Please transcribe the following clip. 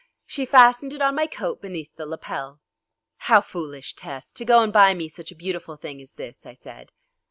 She fastened it on my coat beneath the lapel. "How foolish, Tess, to go and buy me such a beautiful thing as this," I said.